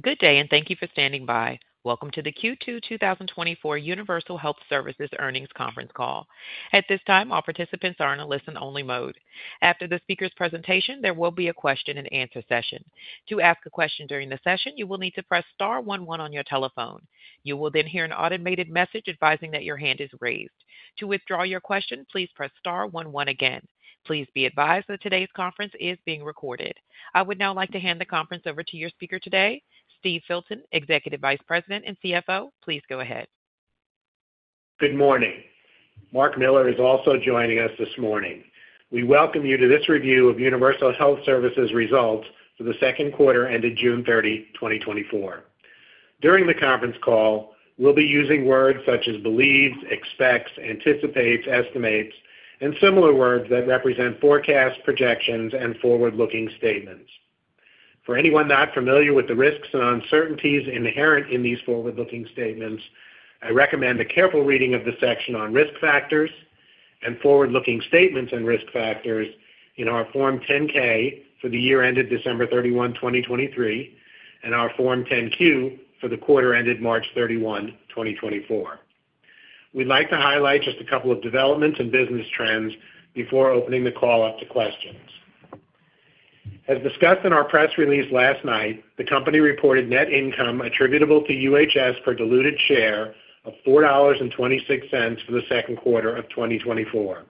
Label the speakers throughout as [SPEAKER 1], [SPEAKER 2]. [SPEAKER 1] Good day, and thank you for standing by. Welcome to the Q2 2024 Universal Health Services Earnings Conference Call. At this time, all participants are in a listen-only mode. After the speaker's presentation, there will be a question-and-answer session. To ask a question during the session, you will need to press star 11 on your telephone. You will then hear an automated message advising that your hand is raised. To withdraw your question, please press star 11 again. Please be advised that today's conference is being recorded. I would now like to hand the conference over to your speaker today, Steve Filton, Executive Vice President and CFO. Please go ahead.
[SPEAKER 2] Good morning. Marc Miller is also joining us this morning. We welcome you to this review of Universal Health Services' Results for the second quarter ended June 30, 2024. During the conference call, we'll be using words such as believes, expects, anticipates, estimates, and similar words that represent forecasts, projections, and forward-looking statements. For anyone not familiar with the risks and uncertainties inherent in these forward-looking statements, I recommend a careful reading of the section on risk factors and forward-looking statements and risk factors in our Form 10-K for the year ended December 31, 2023, and our Form 10-Q for the quarter ended March 31, 2024. We'd like to highlight just a couple of developments and business trends before opening the call up to questions. As discussed in our press release last night, the company reported net income attributable to UHS per diluted share of $4.26 for the second quarter of 2024.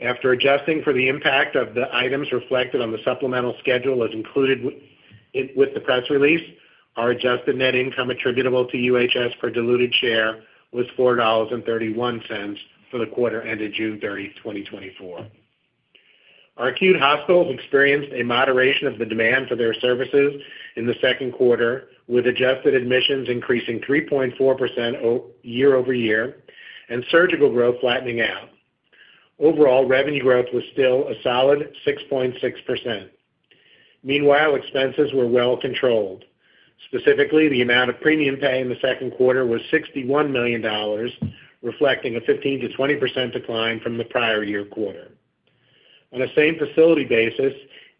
[SPEAKER 2] After adjusting for the impact of the items reflected on the supplemental schedule as included with the press release, our adjusted net income attributable to UHS per diluted share was $4.31 for the quarter ended June 30, 2024. Our Acute hospitals experienced a moderation of the demand for their services in the second quarter, with adjusted admissions increasing 3.4% year over year and surgical growth flattening out. Overall, revenue growth was still a solid 6.6%. Meanwhile, expenses were well controlled. Specifically, the amount of premium pay in the second quarter was $61 million, reflecting a 15%-20% decline from the prior year quarter. On a same facility basis,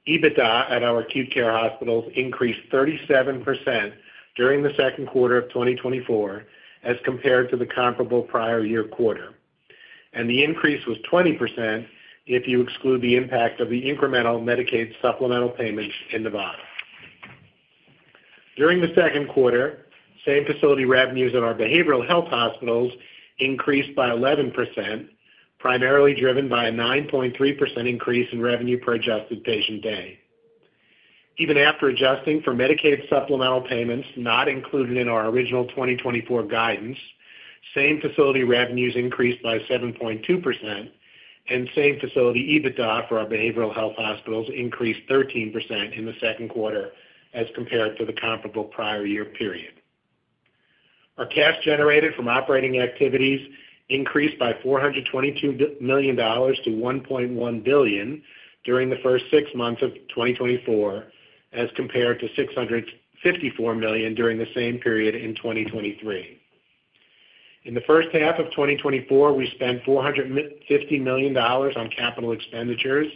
[SPEAKER 2] EBITDA at our Acute Care hospitals increased 37% during the second quarter of 2024 as compared to the comparable prior year quarter. The increase was 20% if you exclude the impact of the incremental Medicaid supplemental payments in Nevada. During the second quarter, same facility revenues at our behavioral health hospitals increased by 11%, primarily driven by a 9.3% increase in revenue per adjusted patient day. Even after adjusting for Medicaid supplemental payments not included in our original 2024 guidance, same facility revenues increased by 7.2%, and same facility EBITDA for our behavioral health hospitals increased 13% in the second quarter as compared to the comparable prior year period. Our cash generated from operating activities increased by $422 million to $1.1 billion during the first six months of 2024, as compared to $654 million during the same period in 2023. In the first half of 2024, we spent $450 million on capital expenditures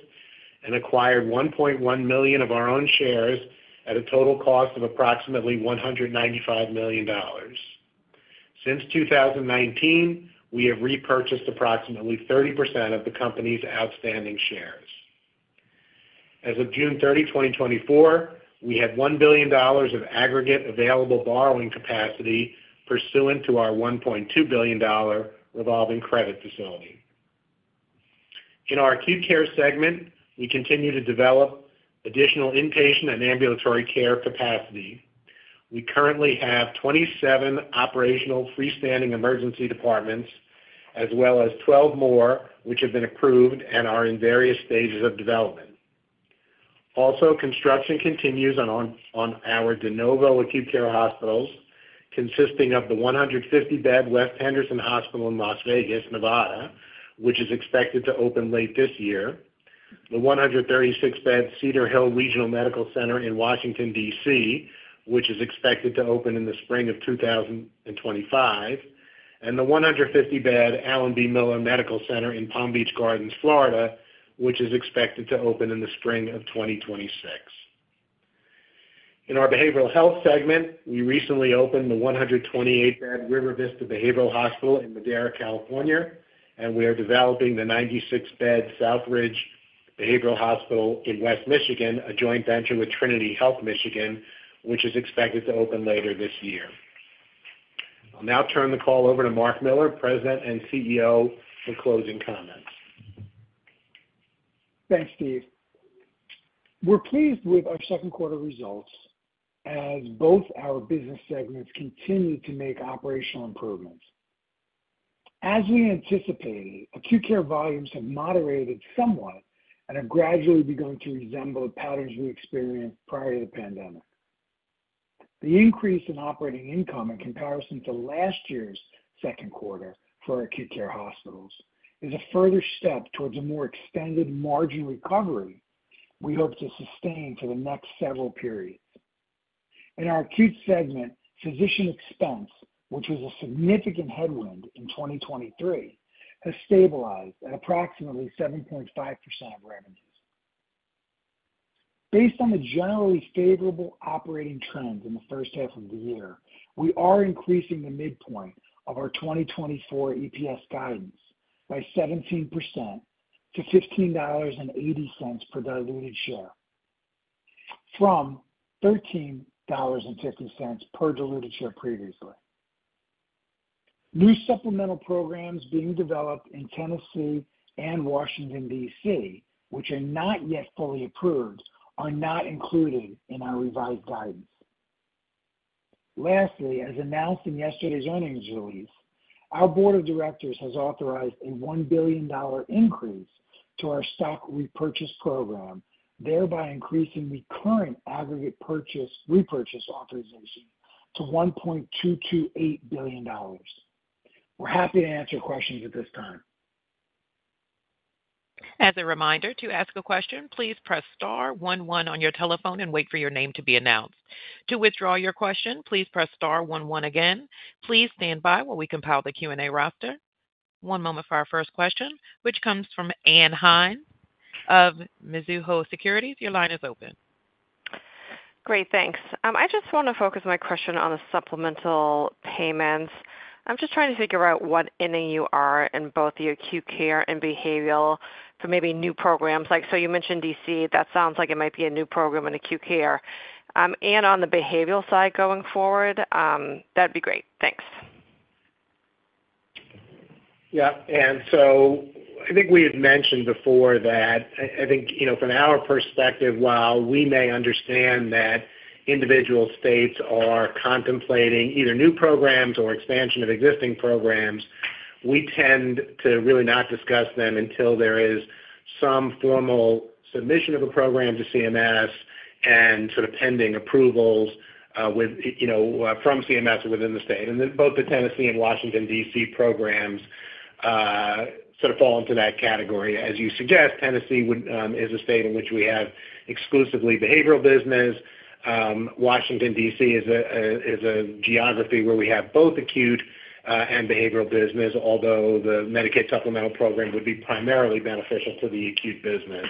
[SPEAKER 2] and acquired $1.1 million of our own shares at a total cost of approximately $195 million. Since 2019, we have repurchased approximately 30% of the company's outstanding shares. As of June 30, 2024, we had $1 billion of aggregate available borrowing capacity pursuant to our $1.2 billion revolving credit facility. In our Acute Care segment, we continue to develop additional inpatient and ambulatory care capacity. We currently have 27 operational freestanding emergency departments, as well as 12 more, which have been approved and are in various stages of development. Also, construction continues on our De Novo Acute Care hospitals, consisting of the 150-bed West Henderson Hospital in Las Vegas, Nevada, which is expected to open late this year, the 136-bed Cedar Hill Regional Medical Center in Washington, D.C., which is expected to open in the spring of 2025, and the 150-bed Alan B. Miller Medical Center in Palm Beach Gardens, Florida, which is expected to open in the spring of 2026. In our behavioral health segment, we recently opened the 128-bed River Vista Behavioral Hospital in Madera, California, and we are developing the 96-bed Southridge Behavioral Hospital in West Michigan, a joint venture with Trinity Health Michigan, which is expected to open later this year. I'll now turn the call over to Marc Miller, President and CEO, for closing comments.
[SPEAKER 3] Thanks, Steve. We're pleased with our second quarter results as both our business segments continue to make operational improvements. As we anticipated, Acute Care volumes have moderated somewhat and are gradually beginning to resemble the patterns we experienced prior to the pandemic. The increase in operating income in comparison to last year's second quarter for our Acute Care hospitals is a further step towards a more extended margin recovery we hope to sustain for the next several periods. In our Acute segment, physician expense, which was a significant headwind in 2023, has stabilized at approximately 7.5% of revenues. Based on the generally favorable operating trends in the first half of the year, we are increasing the midpoint of our 2024 EPS guidance by 17% to $15.80 per diluted share, from $13.50 per diluted share previously. New supplemental programs being developed in Tennessee and Washington, D.C., which are not yet fully approved, are not included in our revised guidance. Lastly, as announced in yesterday's earnings release, our board of directors has authorized a $1 billion increase to our stock repurchase program, thereby increasing the current aggregate repurchase authorization to $1.228 billion. We're happy to answer questions at this time.
[SPEAKER 1] As a reminder, to ask a question, please press star 11 on your telephone and wait for your name to be announced. To withdraw your question, please press star 11 again. Please stand by while we compile the Q&A roster. One moment for our first question, which comes from Ann Hynes of Mizuho Securities. Your line is open.
[SPEAKER 4] Great, thanks. I just want to focus my question on the supplemental payments. I'm just trying to figure out what inning you are in both the Acute Care and Behavioral for maybe new programs. So you mentioned D.C. That sounds like it might be a new program in Acute Care. And on the Behavioral side going forward, that'd be great. Thanks.
[SPEAKER 2] Yeah. And so I think we had mentioned before that I think from our perspective, while we may understand that individual states are contemplating either new programs or expansion of existing programs, we tend to really not discuss them until there is some formal submission of a program to CMS and sort of pending approvals from CMS within the state. And then both the Tennessee and Washington, D.C. programs sort of fall into that category. As you suggest, Tennessee is a state in which we have exclusively behavioral business. Washington, D.C. is a geography where we have both Acute and Behavioral business, although the Medicaid supplemental program would be primarily beneficial to the Acute business.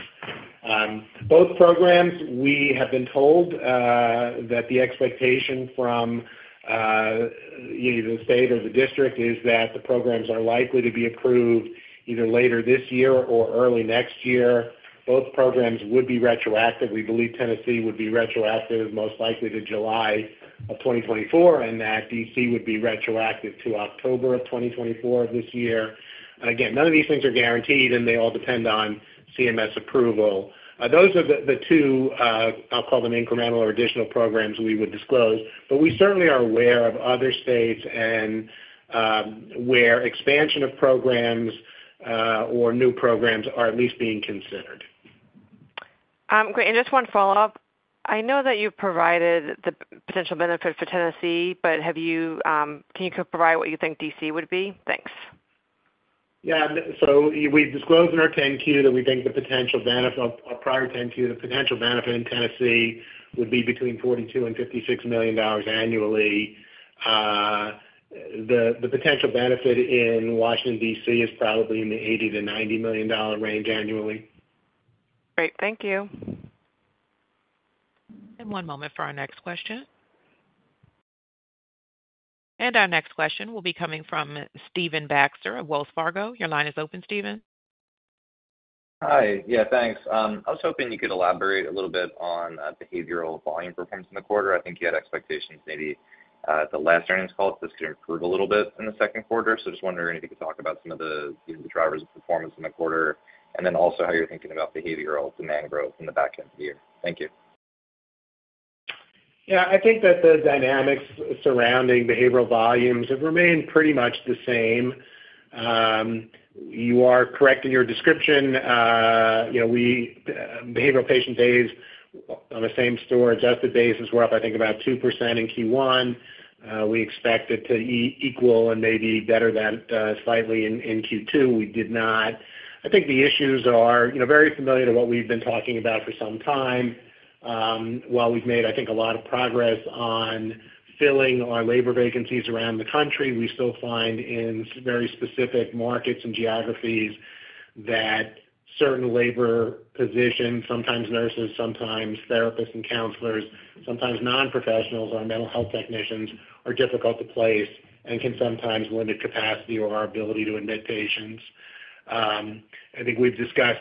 [SPEAKER 2] Both programs, we have been told that the expectation from either the state or the district is that the programs are likely to be approved either later this year or early next year. Both programs would be retroactive. We believe Tennessee would be retroactive most likely to July of 2024, and that D.C. would be retroactive to October of 2024 of this year. Again, none of these things are guaranteed, and they all depend on CMS approval. Those are the two I'll call them incremental or additional programs we would disclose. But we certainly are aware of other states where expansion of programs or new programs are at least being considered.
[SPEAKER 4] Great. And just one follow-up. I know that you've provided the potential benefit for Tennessee, but can you provide what you think D.C. would be? Thanks.
[SPEAKER 2] Yeah. So we've disclosed in our 10-Q that we think the potential benefit of our prior 10-Q, the potential benefit in Tennessee would be between $42-$56 million annually. The potential benefit in Washington, D.C. is probably in the $80-$90 million range annually.
[SPEAKER 4] Great. Thank you.
[SPEAKER 1] One moment for our next question. Our next question will be coming from Stephen Baxter of Wells Fargo. Your line is open, Stephen.
[SPEAKER 5] Hi. Yeah, thanks. I was hoping you could elaborate a little bit on behavioral volume performance in the quarter. I think you had expectations maybe at the last earnings call that this could improve a little bit in the second quarter. So just wondering if you could talk about some of the drivers of performance in the quarter, and then also how you're thinking about behavioral demand growth in the back end of the year. Thank you.
[SPEAKER 2] Yeah. I think that the dynamics surrounding behavioral volumes have remained pretty much the same. You are correct in your description. Behavioral patient days on the same-facility adjusted basis were up, I think, about 2% in Q1. We expected to equal and maybe better that slightly in Q2. We did not. I think the issues are very familiar to what we've been talking about for some time. While we've made, I think, a lot of progress on filling our labor vacancies around the country, we still find in very specific markets and geographies that certain labor positions, sometimes nurses, sometimes therapists and counselors, sometimes non-professionals or mental health technicians, are difficult to place and can sometimes limit capacity or our ability to admit patients. I think we've discussed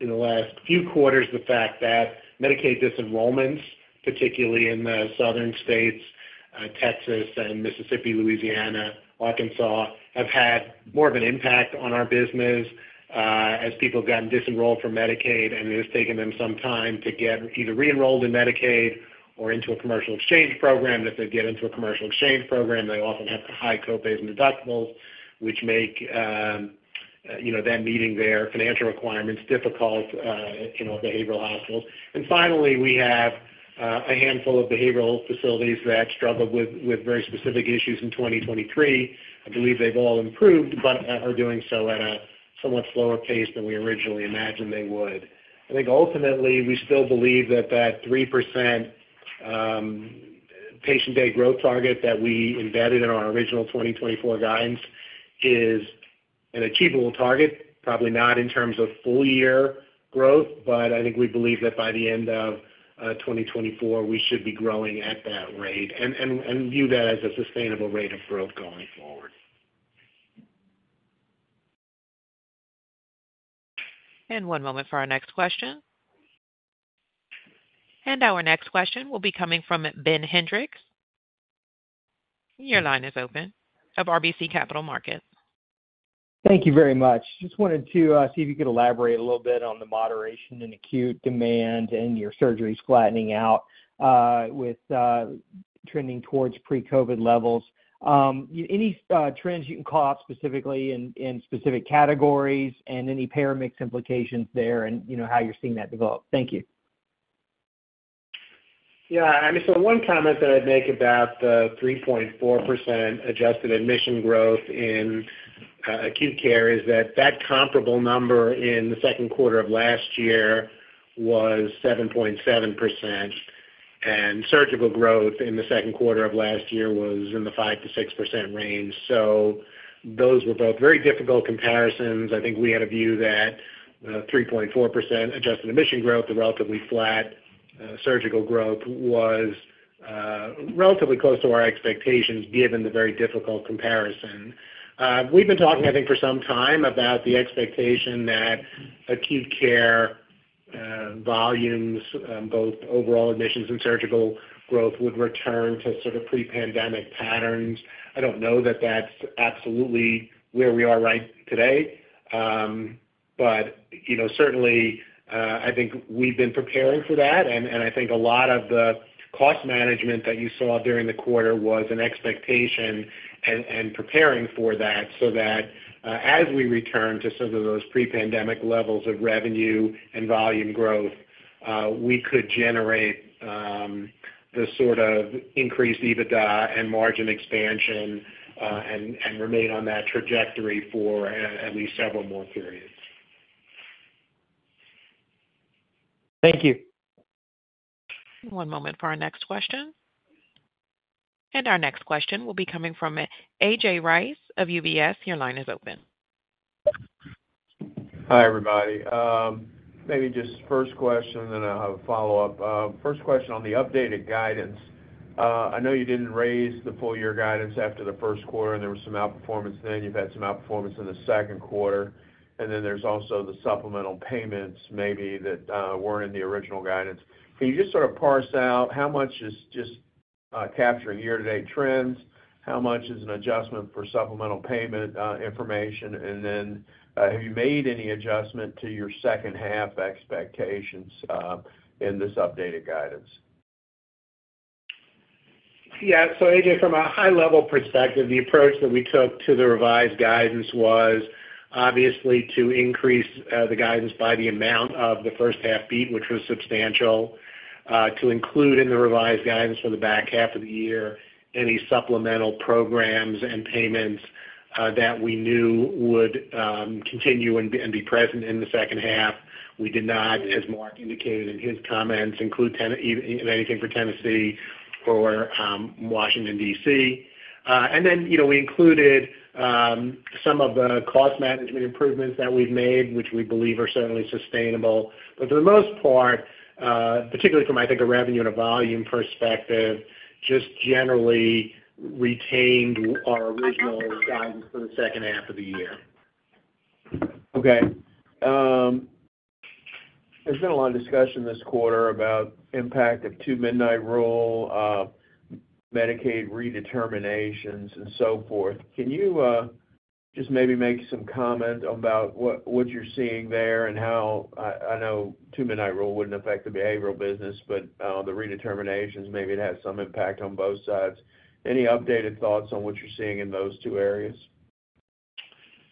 [SPEAKER 2] in the last few quarters the fact that Medicaid disenrollments, particularly in the southern states, Texas and Mississippi, Louisiana, Arkansas, have had more of an impact on our business as people have gotten disenrolled from Medicaid, and it has taken them some time to get either re-enrolled in Medicaid or into a commercial exchange program. If they get into a commercial exchange program, they often have high copays and deductibles, which make them meeting their financial requirements difficult in our behavioral hospitals. And finally, we have a handful of behavioral facilities that struggled with very specific issues in 2023. I believe they've all improved, but are doing so at a somewhat slower pace than we originally imagined they would. I think ultimately, we still believe that that 3% patient day growth target that we embedded in our original 2024 guidance is an achievable target, probably not in terms of full-year growth, but I think we believe that by the end of 2024, we should be growing at that rate and view that as a sustainable rate of growth going forward.
[SPEAKER 1] One moment for our next question. Our next question will be coming from Ben Hendrix. Your line is open of RBC Capital Markets.
[SPEAKER 6] Thank you very much. Just wanted to see if you could elaborate a little bit on the moderation in Acute demand and your surgeries flattening out with trending towards pre-COVID levels. Any trends you can call out specifically in specific categories and any payer mix implications there and how you're seeing that develop? Thank you.
[SPEAKER 2] Yeah. So one comment that I'd make about the 3.4% adjusted admission growth in Acute Care is that that comparable number in the second quarter of last year was 7.7%, and surgical growth in the second quarter of last year was in the 5%-6% range. So those were both very difficult comparisons. I think we had a view that the 3.4% adjusted admission growth, the relatively flat surgical growth, was relatively close to our expectations given the very difficult comparison. We've been talking, I think, for some time about the expectation that Acute Care volumes, both overall admissions and surgical growth, would return to sort of pre-pandemic patterns. I don't know that that's absolutely where we are right today, but certainly, I think we've been preparing for that. I think a lot of the cost management that you saw during the quarter was an expectation and preparing for that, so that as we return to some of those pre-pandemic levels of revenue and volume growth, we could generate the sort of increased EBITDA and margin expansion and remain on that trajectory for at least several more periods.
[SPEAKER 6] Thank you.
[SPEAKER 1] One moment for our next question. Our next question will be coming from A.J. Rice of UBS. Your line is open.
[SPEAKER 7] Hi, everybody. Maybe just first question, and then I'll have a follow-up. First question on the updated guidance. I know you didn't raise the full-year guidance after the first quarter, and there was some outperformance then. You've had some outperformance in the second quarter. And then there's also the supplemental payments maybe that weren't in the original guidance. Can you just sort of parse out how much is just capturing year-to-date trends? How much is an adjustment for supplemental payment information? And then have you made any adjustment to your second-half expectations in this updated guidance?
[SPEAKER 2] Yeah. So A.J., from a high-level perspective, the approach that we took to the revised guidance was obviously to increase the guidance by the amount of the first-half beat, which was substantial, to include in the revised guidance for the back half of the year any supplemental programs and payments that we knew would continue and be present in the second half. We did not, as Mark indicated in his comments, include anything for Tennessee or Washington, D.C. And then we included some of the cost management improvements that we've made, which we believe are certainly sustainable. But for the most part, particularly from, I think, a revenue and a volume perspective, just generally retained our original guidance for the second half of the year.
[SPEAKER 7] Okay. There's been a lot of discussion this quarter about the impact of Two-Midnight Rule, Medicaid redeterminations, and so forth. Can you just maybe make some comment about what you're seeing there and how I know Two-Midnight Rule wouldn't affect the behavioral business, but the redeterminations maybe it has some impact on both sides? Any updated thoughts on what you're seeing in those two areas?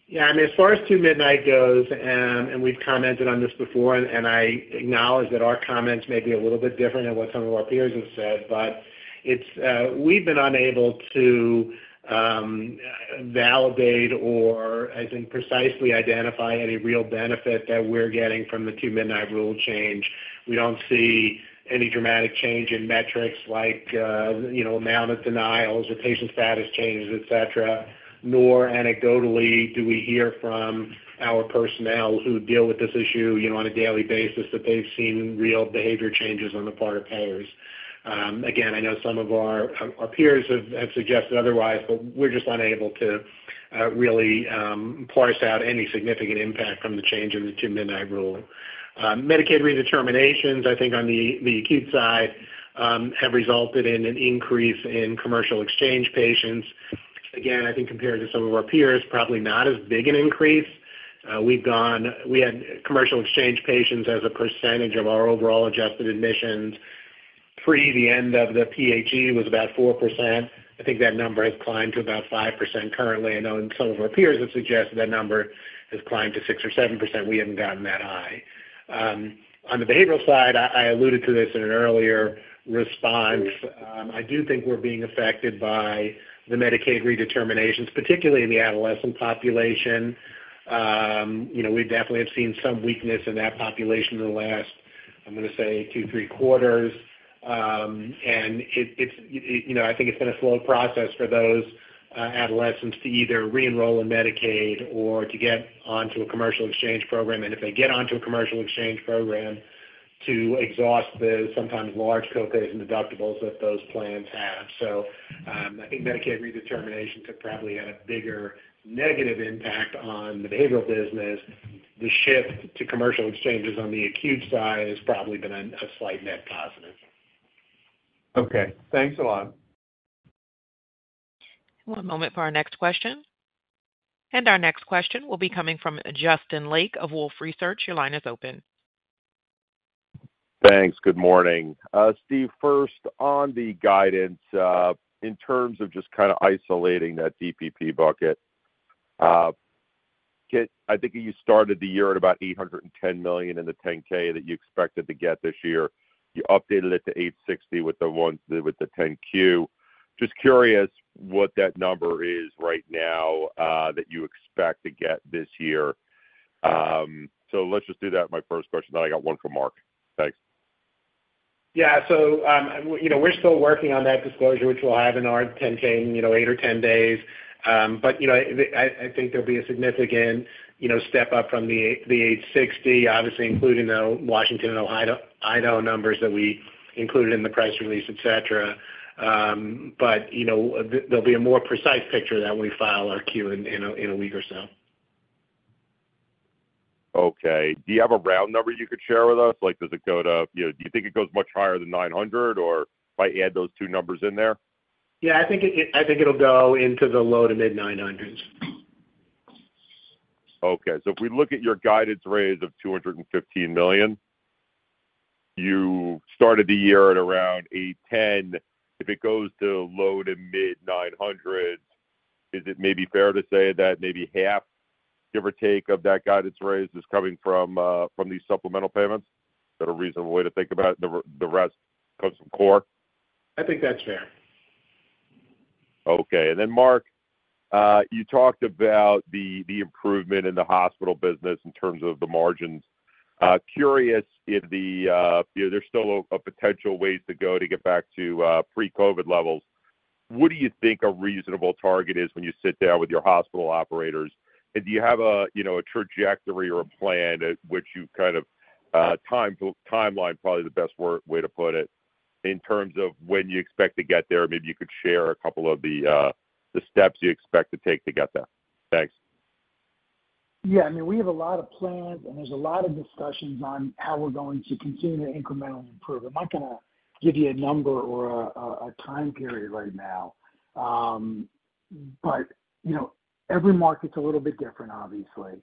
[SPEAKER 2] Yeah. I mean, as far as two midnight goes, and we've commented on this before, and I acknowledge that our comments may be a little bit different than what some of our peers have said, but we've been unable to validate or, I think, precisely identify any real benefit that we're getting from the Two-Midnight Rule change. We don't see any dramatic change in metrics like amount of denials or patient status changes, etc., nor anecdotally do we hear from our personnel who deal with this issue on a daily basis that they've seen real behavior changes on the part of payers. Again, I know some of our peers have suggested otherwise, but we're just unable to really parse out any significant impact from the change in the Two-Midnight Rule. Medicaid redeterminations, I think, on the Acute side have resulted in an increase in commercial exchange patients. Again, I think compared to some of our peers, probably not as big an increase. We had commercial exchange patients as a percentage of our overall adjusted admissions. Pre the end of the PHE was about 4%. I think that number has climbed to about 5% currently. I know some of our peers have suggested that number has climbed to 6 or 7%. We haven't gotten that high. On the behavioral side, I alluded to this in an earlier response. I do think we're being affected by the Medicaid redeterminations, particularly in the adolescent population. We definitely have seen some weakness in that population in the last, I'm going to say, 2, 3 quarters. I think it's been a slow process for those adolescents to either re-enroll in Medicaid or to get onto a commercial exchange program. And if they get onto a commercial exchange program to exhaust the sometimes large copays and deductibles that those plans have. So I think Medicaid redeterminations have probably had a bigger negative impact on the behavioral business. The shift to commercial exchanges on the Acute side has probably been a slight net positive.
[SPEAKER 7] Okay. Thanks a lot.
[SPEAKER 1] One moment for our next question. Our next question will be coming from Justin Lake of Wolfe Research. Your line is open.
[SPEAKER 8] Thanks. Good morning. Steve, first, on the guidance, in terms of just kind of isolating that DPP bucket, I think you started the year at about $810 million in the 10-K that you expected to get this year. You updated it to $860 million with the 10-Q. Just curious what that number is right now that you expect to get this year. So let's just do that in my first question. Then I got one from Marc. Thanks.
[SPEAKER 2] Yeah. So we're still working on that disclosure, which we'll have in our 10-K in 8 or 10 days. But I think there'll be a significant step up from the 860, obviously including the Washington and Ohio numbers that we included in the press release, etc. But there'll be a more precise picture that we file our 10-Q in a week or so.
[SPEAKER 8] Okay. Do you have a round number you could share with us? Does it go to do you think it goes much higher than 900, or if I add those two numbers in there?
[SPEAKER 2] Yeah. I think it'll go into the low to mid-900s.
[SPEAKER 8] Okay. So if we look at your guidance raise of $215 million, you started the year at around $810. If it goes to low- to mid-$900s, is it maybe fair to say that maybe half, give or take, of that guidance raise is coming from these supplemental payments? Is that a reasonable way to think about it? The rest comes from core?
[SPEAKER 2] I think that's fair.
[SPEAKER 8] Okay. And then, Marc, you talked about the improvement in the hospital business in terms of the margins. Curious if there's still a potential ways to go to get back to pre-COVID levels. What do you think a reasonable target is when you sit down with your hospital operators? And do you have a trajectory or a plan at which you kind of timeline, probably the best way to put it, in terms of when you expect to get there? Maybe you could share a couple of the steps you expect to take to get there. Thanks.
[SPEAKER 3] Yeah. I mean, we have a lot of plans, and there's a lot of discussions on how we're going to continue to incrementally improve. I'm not going to give you a number or a time period right now. But every market's a little bit different, obviously.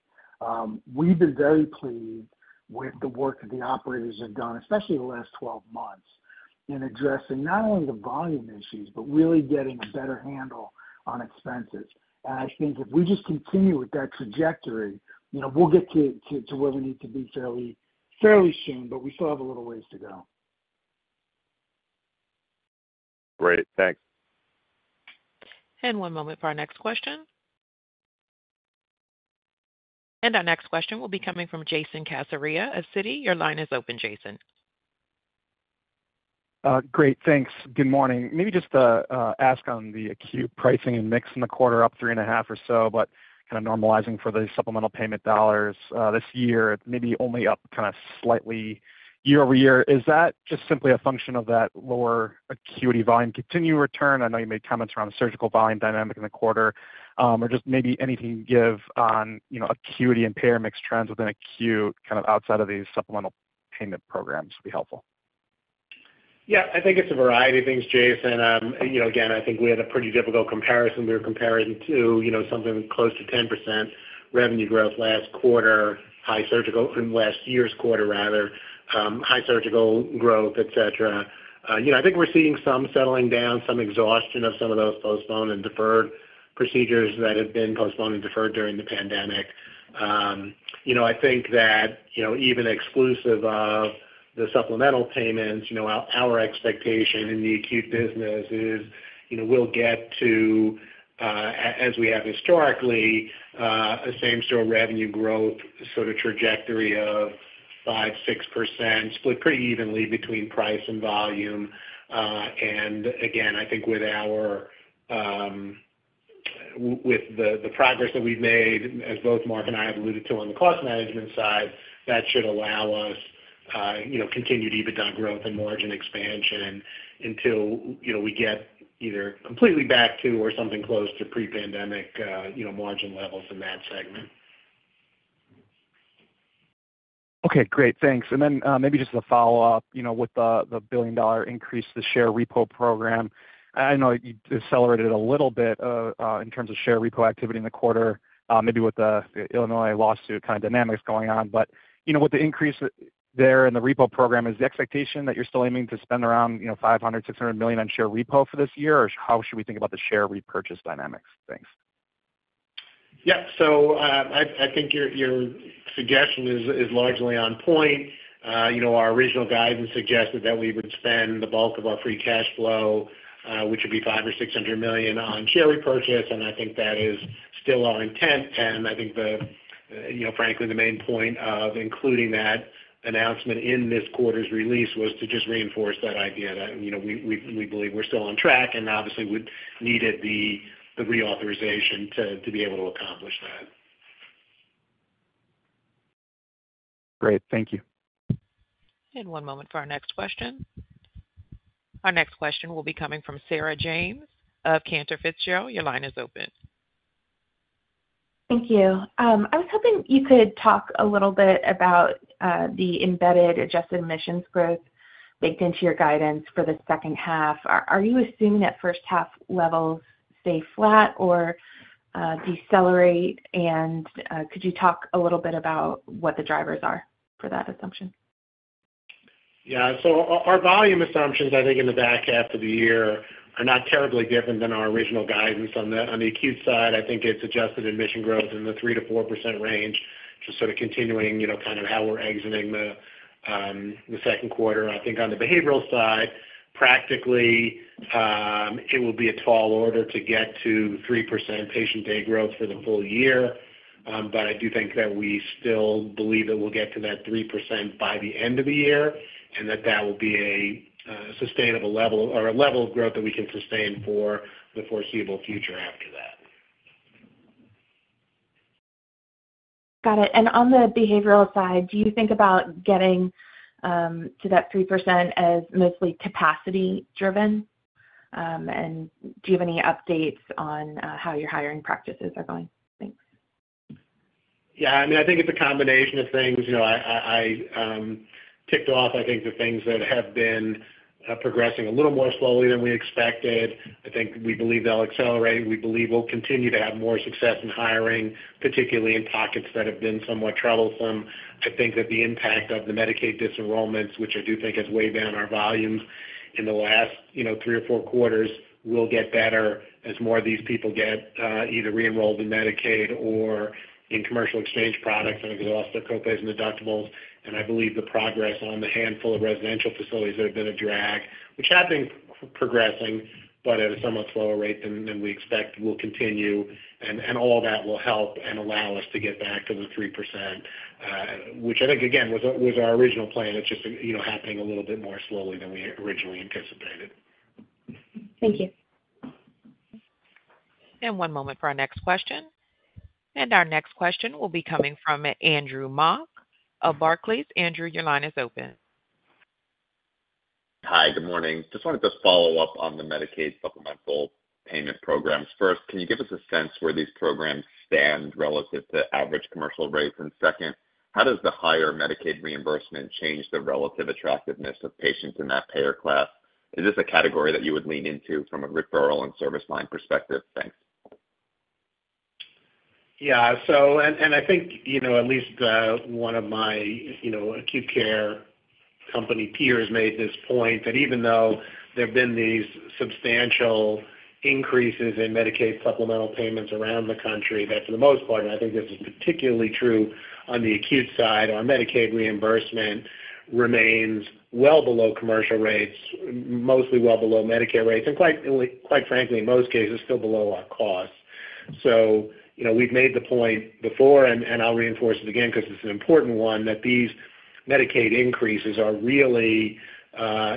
[SPEAKER 3] We've been very pleased with the work that the operators have done, especially the last 12 months, in addressing not only the volume issues, but really getting a better handle on expenses. And I think if we just continue with that trajectory, we'll get to where we need to be fairly soon, but we still have a little ways to go.
[SPEAKER 8] Great. Thanks.
[SPEAKER 1] One moment for our next question. Our next question will be coming from Jason Cassorla of Citi, your line is open, Jason.
[SPEAKER 9] Great. Thanks. Good morning. Maybe just to ask on the Acute pricing and mix in the quarter up 3.5 or so, but kind of normalizing for the supplemental payment dollars this year, maybe only up kind of slightly year-over-year. Is that just simply a function of that lower acuity volume continuing return? I know you made comments around the surgical volume dynamic in the quarter. Or just maybe anything you can give on acuity and payer mix trends within Acute kind of outside of these supplemental payment programs would be helpful.
[SPEAKER 2] Yeah. I think it's a variety of things, Jason. Again, I think we had a pretty difficult comparison. We were comparing to something close to 10% revenue growth last quarter, last year's quarter, rather, high surgical growth, etc. I think we're seeing some settling down, some exhaustion of some of those postponed and deferred procedures that had been postponed and deferred during the pandemic. I think that even exclusive of the supplemental payments, our expectation in the Acute business is we'll get to, as we have historically, a same-store revenue growth sort of trajectory of 5%-6%, split pretty evenly between price and volume. And again, I think with the progress that we've made, as both Mark and I have alluded to on the cost management side, that should allow us continued EBITDA growth and margin expansion until we get either completely back to or something close to pre-pandemic margin levels in that segment.
[SPEAKER 9] Okay. Great. Thanks. And then maybe just a follow-up with the $1 billion increase to the share repo program. I know you accelerated it a little bit in terms of share repo activity in the quarter, maybe with the Illinois lawsuit kind of dynamics going on. But with the increase there in the repo program, is the expectation that you're still aiming to spend around $500-$600 million on share repo for this year, or how should we think about the share repurchase dynamics? Thanks.
[SPEAKER 2] Yeah. So I think your suggestion is largely on point. Our original guidance suggested that we would spend the bulk of our free cash flow, which would be $500 million or $600 million, on share repurchase. And I think that is still our intent. And I think, frankly, the main point of including that announcement in this quarter's release was to just reinforce that idea that we believe we're still on track and obviously would need the reauthorization to be able to accomplish that.
[SPEAKER 9] Great. Thank you.
[SPEAKER 1] One moment for our next question. Our next question will be coming from Sarah James of Cantor Fitzgerald. Your line is open.
[SPEAKER 10] Thank you. I was hoping you could talk a little bit about the embedded adjusted admissions growth baked into your guidance for the second half. Are you assuming that first-half levels stay flat or decelerate? And could you talk a little bit about what the drivers are for that assumption?
[SPEAKER 2] Yeah. So our volume assumptions, I think, in the back half of the year are not terribly different than our original guidance. On the Acute side, I think it's adjusted admissions growth in the 3%-4% range, just sort of continuing kind of how we're exiting the second quarter. I think on the Behavioral side, practically, it will be a tall order to get to 3% patient day growth for the full year. But I do think that we still believe that we'll get to that 3% by the end of the year and that that will be a sustainable level or a level of growth that we can sustain for the foreseeable future after that.
[SPEAKER 10] Got it. And on the behavioral side, do you think about getting to that 3% as mostly capacity-driven? And do you have any updates on how your hiring practices are going? Thanks.
[SPEAKER 2] Yeah. I mean, I think it's a combination of things. I ticked off, I think, the things that have been progressing a little more slowly than we expected. I think we believe they'll accelerate. We believe we'll continue to have more success in hiring, particularly in pockets that have been somewhat troublesome. I think that the impact of the Medicaid disenrollments, which I do think has weighed down our volumes in the last 3 or 4 quarters, will get better as more of these people get either re-enrolled in Medicaid or in commercial exchange products and exhaust their copays and deductibles. And I believe the progress on the handful of residential facilities that have been a drag, which have been progressing, but at a somewhat slower rate than we expect, will continue. All that will help and allow us to get back to the 3%, which I think, again, was our original plan. It's just happening a little bit more slowly than we originally anticipated.
[SPEAKER 10] Thank you.
[SPEAKER 1] One moment for our next question. Our next question will be coming from Andrew Mok of Barclays. Andrew, your line is open.
[SPEAKER 11] Hi. Good morning. Just wanted to follow up on the Medicaid supplemental payment programs. First, can you give us a sense where these programs stand relative to average commercial rates? And second, how does the higher Medicaid reimbursement change the relative attractiveness of patients in that payer class? Is this a category that you would lean into from a referral and service line perspective? Thanks.
[SPEAKER 2] Yeah. I think at least one of my Acute Care company peers made this point that even though there have been these substantial increases in Medicaid supplemental payments around the country, that for the most part, and I think this is particularly true on the Acute side, our Medicaid reimbursement remains well below commercial rates, mostly well below Medicare rates, and quite frankly, in most cases, still below our costs. So we've made the point before, and I'll reinforce it again because it's an important one, that these Medicaid increases are really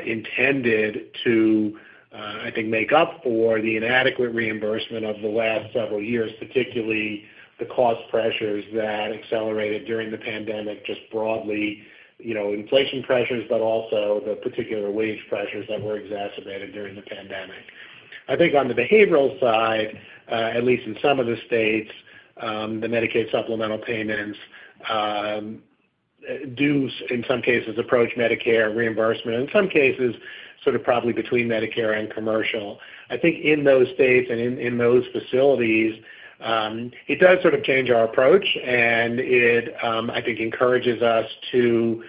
[SPEAKER 2] intended to, I think, make up for the inadequate reimbursement of the last several years, particularly the cost pressures that accelerated during the pandemic, just broadly inflation pressures, but also the particular wage pressures that were exacerbated during the pandemic. I think on the behavioral side, at least in some of the states, the Medicaid supplemental payments do, in some cases, approach Medicare reimbursement, in some cases, sort of probably between Medicare and commercial. I think in those states and in those facilities, it does sort of change our approach, and it, I think, encourages us to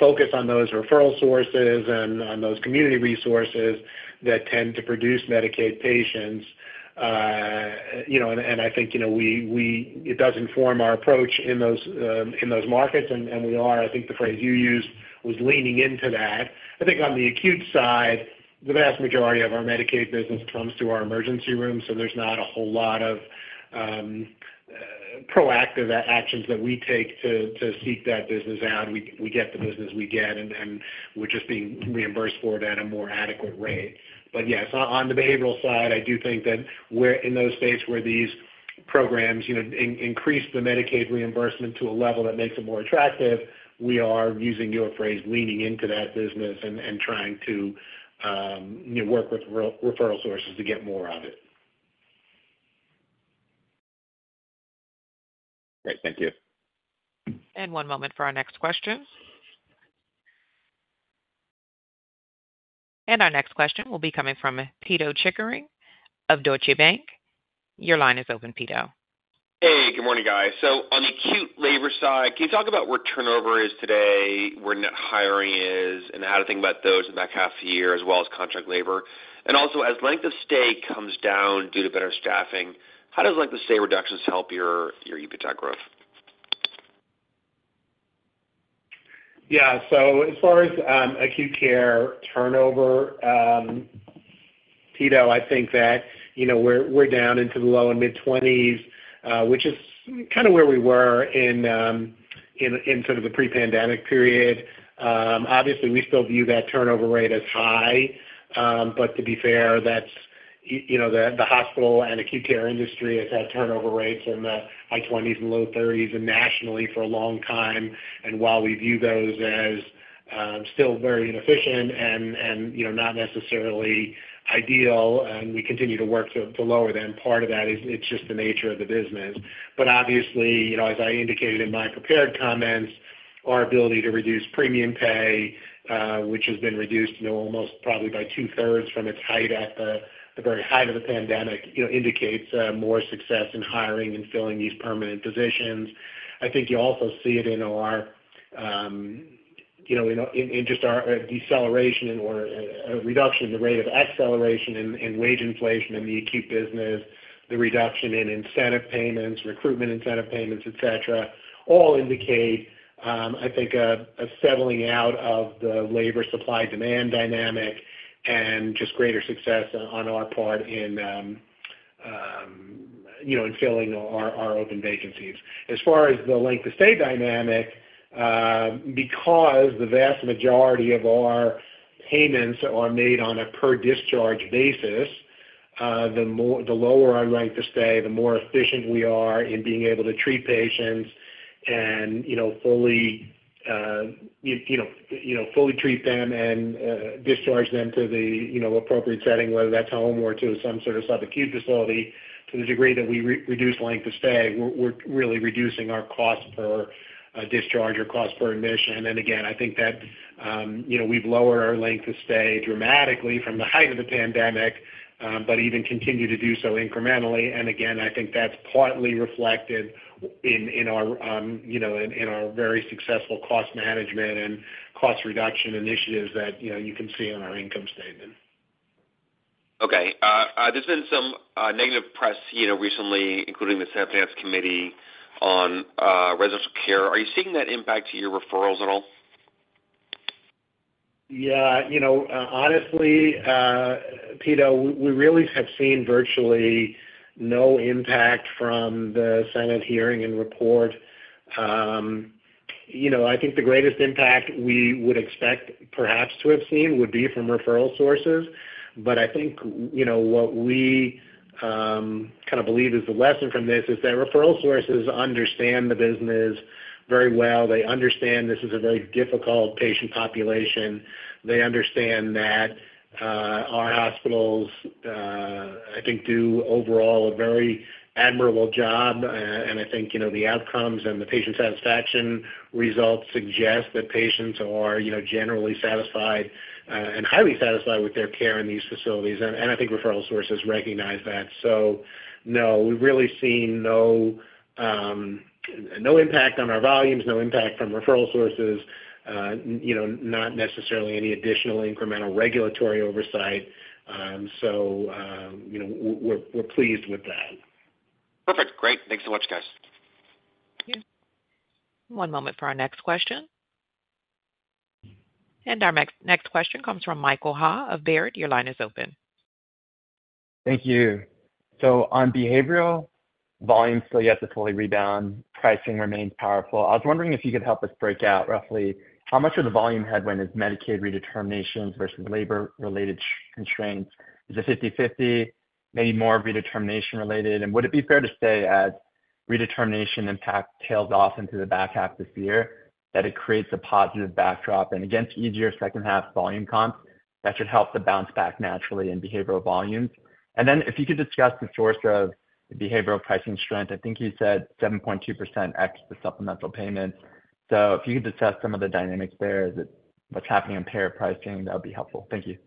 [SPEAKER 2] focus on those referral sources and on those community resources that tend to produce Medicaid patients. I think it does inform our approach in those markets, and we are, I think the phrase you used was leaning into that. I think on the Acute side, the vast majority of our Medicaid business comes through our emergency room, so there's not a whole lot of proactive actions that we take to seek that business out. We get the business we get, and we're just being reimbursed for it at a more adequate rate. But yes, on the behavioral side, I do think that in those states where these programs increase the Medicaid reimbursement to a level that makes it more attractive, we are using your phrase, leaning into that business and trying to work with referral sources to get more of it.
[SPEAKER 11] Great. Thank you.
[SPEAKER 1] One moment for our next question. Our next question will be coming from Pito Chickering of Deutsche Bank. Your line is open, Pito.
[SPEAKER 12] Hey. Good morning, guys. So on the Acute labor side, can you talk about where turnover is today, where net hiring is, and how to think about those in the back half of the year, as well as contract labor? And also, as length of stay comes down due to better staffing, how does length of stay reductions help your EBITDA growth?
[SPEAKER 2] Yeah. So as far as Acute Care turnover, Pito, I think that we're down into the low and mid-20s, which is kind of where we were in sort of the pre-pandemic period. Obviously, we still view that turnover rate as high, but to be fair, the hospital and Acute Care industry has had turnover rates in the high 20s and low 30s nationally for a long time. And while we view those as still very inefficient and not necessarily ideal, and we continue to work to lower them, part of that is it's just the nature of the business. But obviously, as I indicated in my prepared comments, our ability to reduce premium pay, which has been reduced almost probably by two-thirds from its height at the very height of the pandemic, indicates more success in hiring and filling these permanent positions. I think you also see it in just our deceleration or reduction in the rate of acceleration in wage inflation in the Acute business, the reduction in incentive payments, recruitment incentive payments, etc., all indicate, I think, a settling out of the labor supply-demand dynamic and just greater success on our part in filling our open vacancies. As far as the length of stay dynamic, because the vast majority of our payments are made on a per-discharge basis, the lower our length of stay, the more efficient we are in being able to treat patients and fully treat them and discharge them to the appropriate setting, whether that's home or to some sort of subacute facility. To the degree that we reduce length of stay, we're really reducing our cost per discharge or cost per admission. And again, I think that we've lowered our length of stay dramatically from the height of the pandemic, but even continue to do so incrementally. And again, I think that's partly reflected in our very successful cost management and cost reduction initiatives that you can see on our income statement.
[SPEAKER 12] Okay. There's been some negative press recently, including the Senate Finance Committee on residential care. Are you seeing that impact to your referrals at all?
[SPEAKER 2] Yeah. Honestly, Pito, we really have seen virtually no impact from the Senate hearing and report. I think the greatest impact we would expect perhaps to have seen would be from referral sources. But I think what we kind of believe is the lesson from this is that referral sources understand the business very well. They understand this is a very difficult patient population. They understand that our hospitals, I think, do overall a very admirable job. And I think the outcomes and the patient satisfaction results suggest that patients are generally satisfied and highly satisfied with their care in these facilities. And I think referral sources recognize that. So no, we've really seen no impact on our volumes, no impact from referral sources, not necessarily any additional incremental regulatory oversight. So we're pleased with that.
[SPEAKER 12] Perfect. Great. Thanks so much, guys.
[SPEAKER 1] Thank you. One moment for our next question. Our next question comes from Michael Ha of Baird. Your line is open.
[SPEAKER 13] Thank you. So on Behavioral, volume still yet to fully rebound. Pricing remains powerful. I was wondering if you could help us break out roughly how much of the volume headwind is Medicaid redeterminations versus labor-related constraints? Is it 50/50, maybe more redetermination-related? And would it be fair to say as redetermination impact tails off into the back half this year that it creates a positive backdrop and against easier second-half volume comps that should help to bounce back naturally in behavioral volumes? And then if you could discuss the source of behavioral pricing strength, I think you said 7.2% ex the supplemental payments. So if you could discuss some of the dynamics there, what's happening in payer pricing, that would be helpful. Thank you.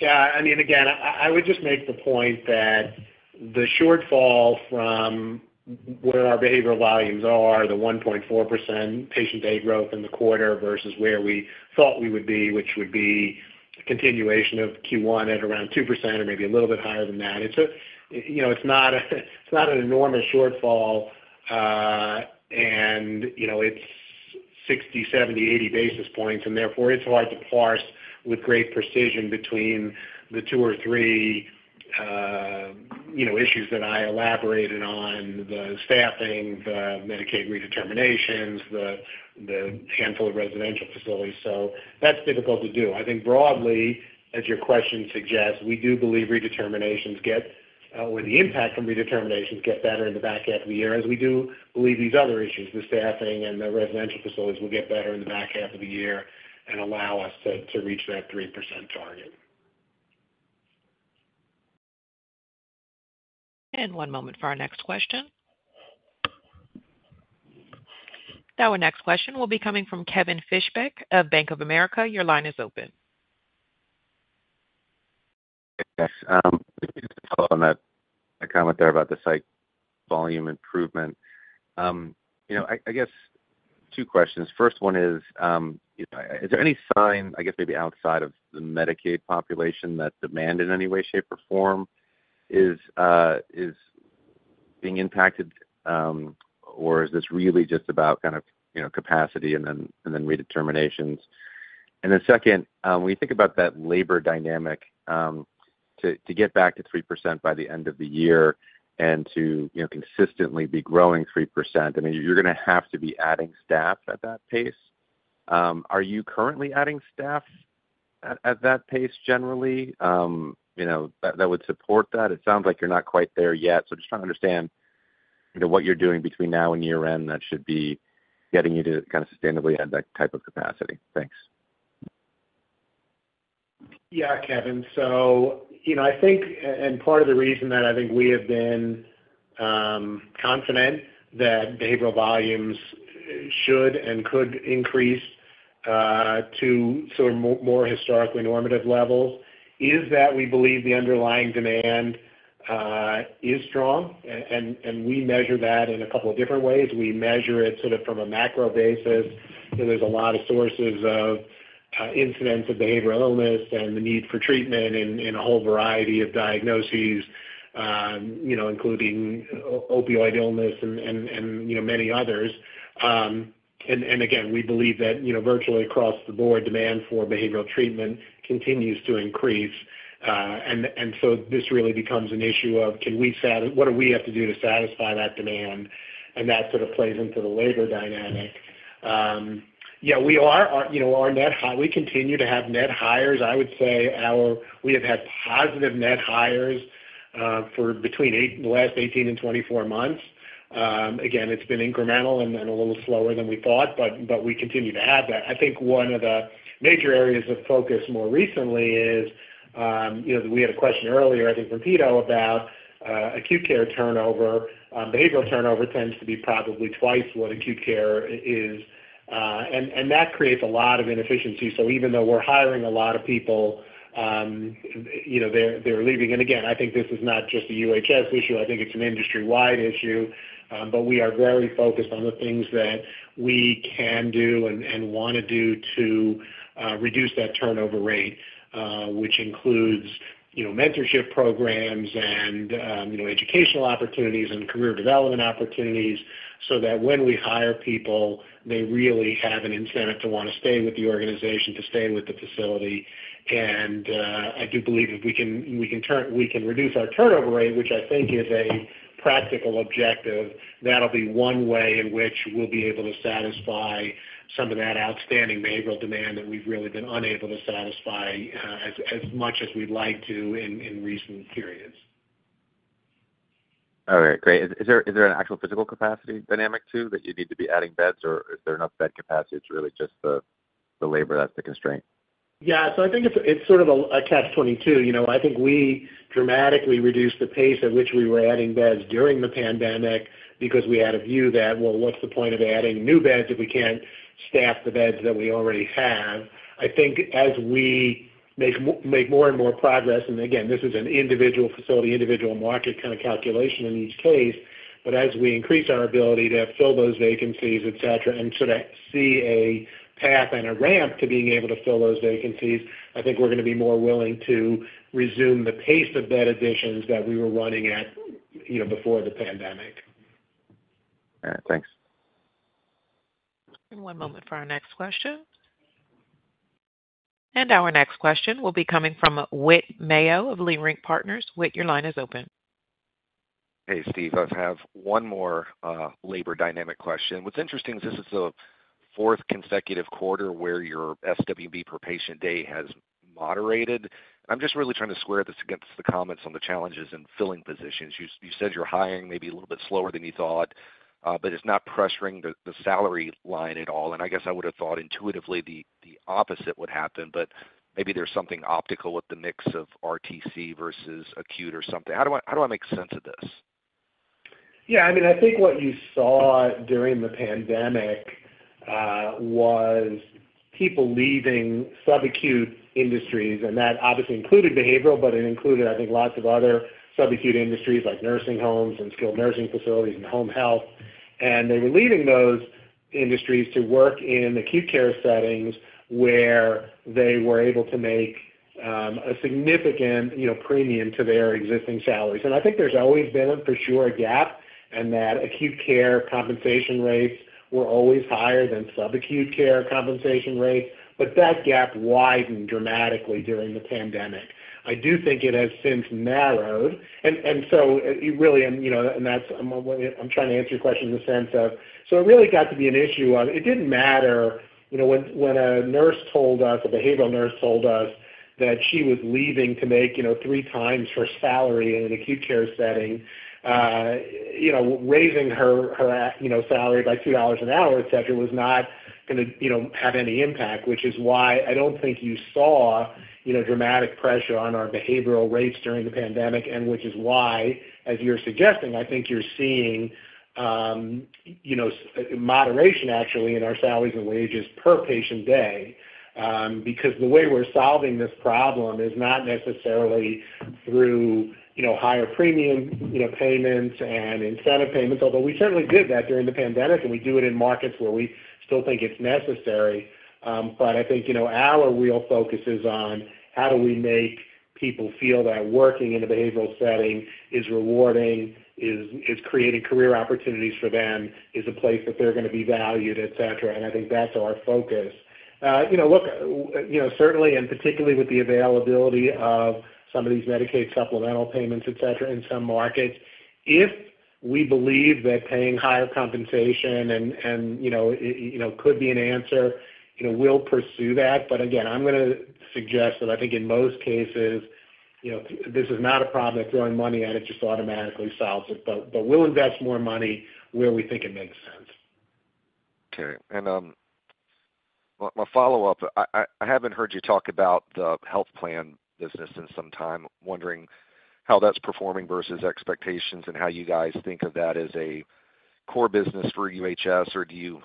[SPEAKER 2] Yeah. I mean, again, I would just make the point that the shortfall from where our behavioral volumes are, the 1.4% patient day growth in the quarter versus where we thought we would be, which would be a continuation of Q1 at around 2% or maybe a little bit higher than that, it's not an enormous shortfall. And it's 60, 70, 80 basis points. And therefore, it's hard to parse with great precision between the two or three issues that I elaborated on, the staffing, the Medicaid redeterminations, the handful of residential facilities. So that's difficult to do. I think broadly, as your question suggests, we do believe redeterminations get or the impact from redeterminations get better in the back half of the year, as we do believe these other issues, the staffing and the residential facilities, will get better in the back half of the year and allow us to reach that 3% target.
[SPEAKER 1] One moment for our next question. Our next question will be coming from Kevin Fischbeck of Bank of America. Your line is open.
[SPEAKER 14] Thanks. Just to follow on that comment there about the site volume improvement, I guess two questions. First one is, is there any sign, I guess maybe outside of the Medicaid population, that demand in any way, shape, or form is being impacted, or is this really just about kind of capacity and then redeterminations? And then second, when you think about that labor dynamic, to get back to 3% by the end of the year and to consistently be growing 3%, I mean, you're going to have to be adding staff at that pace. Are you currently adding staff at that pace generally that would support that? It sounds like you're not quite there yet. So just trying to understand what you're doing between now and year-end that should be getting you to kind of sustainably add that type of capacity. Thanks.
[SPEAKER 2] Yeah, Kevin. So I think, and part of the reason that I think we have been confident that behavioral volumes should and could increase to sort of more historically normative levels is that we believe the underlying demand is strong. And we measure that in a couple of different ways. We measure it sort of from a macro basis. There's a lot of sources of incidents of behavioral illness and the need for treatment in a whole variety of diagnoses, including opioid illness and many others. And again, we believe that virtually across the board, demand for behavioral treatment continues to increase. And so this really becomes an issue of what do we have to do to satisfy that demand? And that sort of plays into the labor dynamic. Yeah, we are our net high. We continue to have net hires. I would say we have had positive net hires for between the last 18 and 24 months. Again, it's been incremental and a little slower than we thought, but we continue to have that. I think one of the major areas of focus more recently is we had a question earlier, I think, from Pito about Acute Care turnover. Behavioral turnover tends to be probably twice what Acute Care is. That creates a lot of inefficiency. Even though we're hiring a lot of people, they're leaving. Again, I think this is not just a UHS issue. I think it's an industry-wide issue. But we are very focused on the things that we can do and want to do to reduce that turnover rate, which includes mentorship programs and educational opportunities and career development opportunities so that when we hire people, they really have an incentive to want to stay with the organization, to stay with the facility. And I do believe if we can reduce our turnover rate, which I think is a practical objective, that'll be one way in which we'll be able to satisfy some of that outstanding behavioral demand that we've really been unable to satisfy as much as we'd like to in recent periods.
[SPEAKER 14] All right. Great. Is there an actual physical capacity dynamic too that you need to be adding beds, or is there enough bed capacity? It's really just the labor that's the constraint?
[SPEAKER 2] Yeah. So I think it's sort of a catch-22. I think we dramatically reduced the pace at which we were adding beds during the pandemic because we had a view that, well, what's the point of adding new beds if we can't staff the beds that we already have? I think as we make more and more progress, and again, this is an individual facility, individual market kind of calculation in each case, but as we increase our ability to fill those vacancies, etc., and sort of see a path and a ramp to being able to fill those vacancies, I think we're going to be more willing to resume the pace of bed additions that we were running at before the pandemic.
[SPEAKER 14] All right. Thanks.
[SPEAKER 1] One moment for our next question. Our next question will be coming from Whit Mayo of Leerink Partners. Whit, your line is open.
[SPEAKER 15] Hey, Steve. I have one more labor dynamic question. What's interesting is this is the fourth consecutive quarter where your SWB per patient day has moderated. I'm just really trying to square this against the comments on the challenges in filling positions. You said you're hiring maybe a little bit slower than you thought, but it's not pressuring the salary line at all. And I guess I would have thought intuitively the opposite would happen, but maybe there's something optical with the mix of RTC versus Acute or something. How do I make sense of this?
[SPEAKER 2] Yeah. I mean, I think what you saw during the pandemic was people leaving subacute industries, and that obviously included behavioral, but it included, I think, lots of other subacute industries like nursing homes and skilled nursing facilities and home health. And they were leaving those industries to work in Acute Care settings where they were able to make a significant premium to their existing salaries. And I think there's always been for sure a gap in that Acute Care compensation rates were always higher than subacute care compensation rates, but that gap widened dramatically during the pandemic. I do think it has since narrowed. So really, that's I'm trying to answer your question in the sense of so it really got to be an issue of it didn't matter when a nurse told us, a behavioral nurse told us that she was leaving to make three times her salary in an Acute Care setting, raising her salary by $2 an hour, etc., was not going to have any impact, which is why I don't think you saw dramatic pressure on our behavioral rates during the pandemic. And which is why, as you're suggesting, I think you're seeing moderation actually in our salaries and wages per patient day because the way we're solving this problem is not necessarily through higher premium payments and incentive payments, although we certainly did that during the pandemic, and we do it in markets where we still think it's necessary. But I think our real focus is on how do we make people feel that working in a behavioral setting is rewarding, is creating career opportunities for them, is a place that they're going to be valued, etc. And I think that's our focus. Look, certainly, and particularly with the availability of some of these Medicaid supplemental payments, etc., in some markets, if we believe that paying higher compensation could be an answer, we'll pursue that. But again, I'm going to suggest that I think in most cases, this is not a problem that throwing money at it just automatically solves it, but we'll invest more money where we think it makes sense.
[SPEAKER 15] Okay. And my follow-up, I haven't heard you talk about the health plan business in some time. Wondering how that's performing versus expectations and how you guys think of that as a core business for UHS, or do you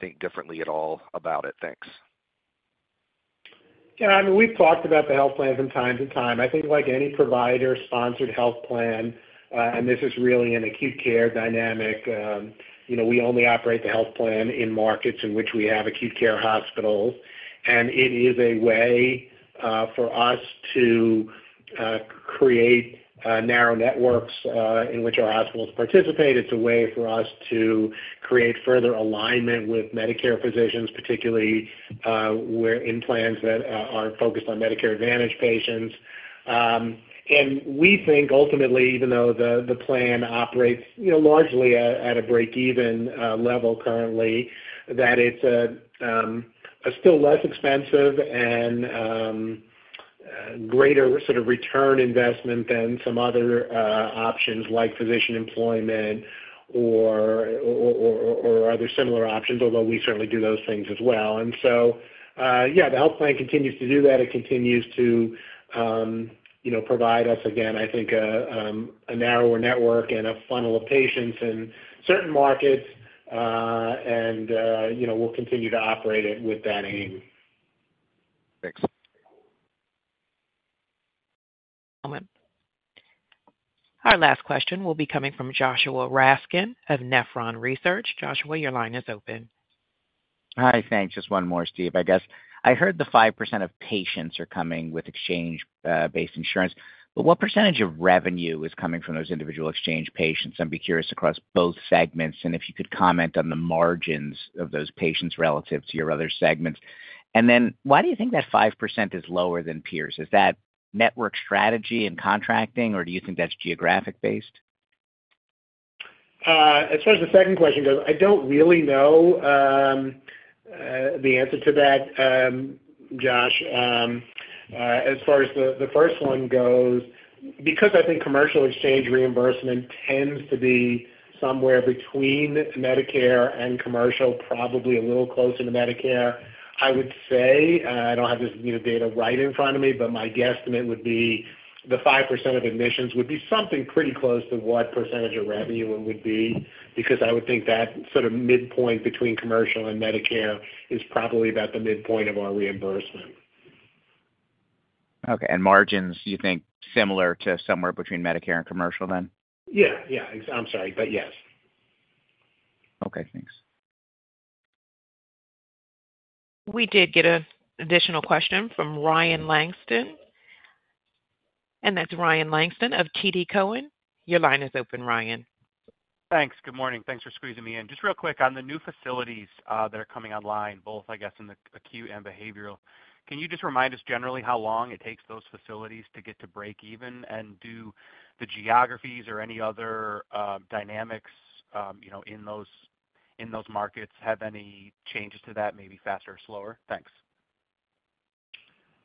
[SPEAKER 15] think differently at all about it? Thanks.
[SPEAKER 2] Yeah. I mean, we've talked about the health plan from time to time. I think like any provider-sponsored health plan, and this is really an Acute Care dynamic, we only operate the health plan in markets in which we have Acute Care hospitals. And it is a way for us to create narrow networks in which our hospitals participate. It's a way for us to create further alignment with Medicare physicians, particularly in plans that are focused on Medicare Advantage patients. And we think ultimately, even though the plan operates largely at a break-even level currently, that it's still less expensive and greater sort of return investment than some other options like physician employment or other similar options, although we certainly do those things as well. And so, yeah, the health plan continues to do that. It continues to provide us, again, I think, a narrower network and a funnel of patients in certain markets, and we'll continue to operate it with that aim.
[SPEAKER 15] Thanks.
[SPEAKER 1] Our last question will be coming from Joshua Raskin of Nephron Research. Joshua, your line is open.
[SPEAKER 16] Hi. Thanks. Just one more, Steve, I guess. I heard the 5% of patients are coming with exchange-based insurance. But what percentage of revenue is coming from those individual exchange patients? I'd be curious across both segments. And if you could comment on the margins of those patients relative to your other segments. And then why do you think that 5% is lower than peers? Is that network strategy and contracting, or do you think that's geographic-based?
[SPEAKER 2] As far as the second question goes, I don't really know the answer to that, Josh. As far as the first one goes, because I think commercial exchange reimbursement tends to be somewhere between Medicare and commercial, probably a little closer to Medicare, I would say. I don't have this data right in front of me, but my guesstimate would be the 5% of admissions would be something pretty close to what percentage of revenue it would be because I would think that sort of midpoint between commercial and Medicare is probably about the midpoint of our reimbursement.
[SPEAKER 16] Okay. And margins, you think similar to somewhere between Medicare and commercial then?
[SPEAKER 2] Yeah. Yeah. I'm sorry. But yes.
[SPEAKER 16] Okay. Thanks.
[SPEAKER 1] We did get an additional question from Ryan Langston. That's Ryan Langston of TD Cowen. Your line is open, Ryan.
[SPEAKER 17] Thanks. Good morning. Thanks for squeezing me in. Just real quick on the new facilities that are coming online, both, I guess, in the Acute and Behavioral. Can you just remind us generally how long it takes those facilities to get to break-even and do the geographies or any other dynamics in those markets? Have any changes to that, maybe faster or slower? Thanks.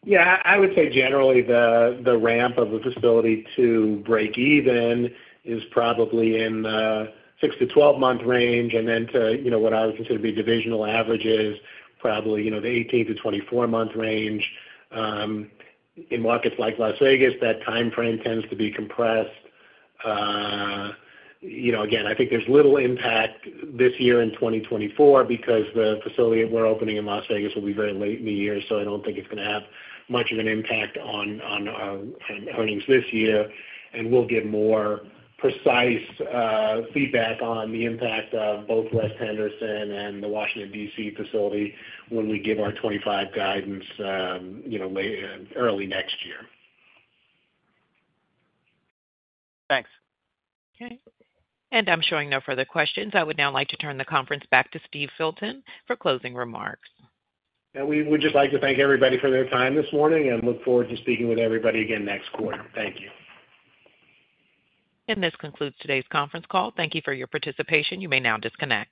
[SPEAKER 2] Yeah. I would say generally the ramp of the facility to break-even is probably in the 6-12-month range. Then to what I would consider to be divisional averages, probably the 18-24-month range. In markets like Las Vegas, that time frame tends to be compressed. Again, I think there's little impact this year in 2024 because the facility that we're opening in Las Vegas will be very late in the year. So I don't think it's going to have much of an impact on our earnings this year. We'll get more precise feedback on the impact of both West Henderson and the Washington, D.C. facility when we give our 2025 guidance early next year.
[SPEAKER 17] Thanks.
[SPEAKER 1] Okay. I'm showing no further questions. I would now like to turn the conference back to Steve Filton for closing remarks.
[SPEAKER 2] We would just like to thank everybody for their time this morning and look forward to speaking with everybody again next quarter. Thank you.
[SPEAKER 1] This concludes today's conference call. Thank you for your participation. You may now disconnect.